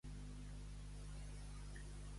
Menja brut i fes-te «gord».